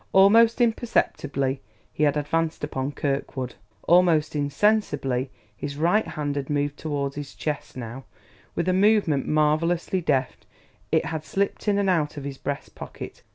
Almost imperceptibly he had advanced upon Kirkwood; almost insensibly his right hand had moved toward his chest; now, with a movement marvelously deft, it had slipped in and out of his breast pocket.